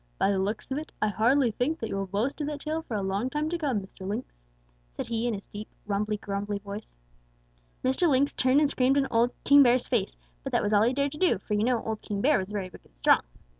"'By the looks of it, I hardly think that you will boast of that tail for a long time to come, Mr. Lynx,' said he in his deep, rumbly grumbly voice. "Mr. Lynx turned and screamed in old King Bear's face, but that was all he dared do, for you know old King Bear was very big and strong.